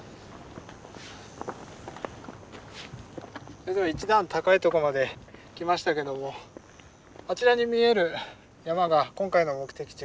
それでは一段高いとこまで来ましたけどもあちらに見える山が今回の目的地